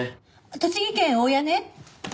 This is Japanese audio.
栃木県大谷ね。